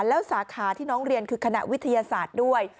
แล้วสาขาที่น้องเรียนคือคณะวิทยาศาสตร์ด้วย